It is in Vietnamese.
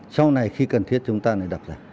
sau này khi cần thiết chúng ta lại đặt ra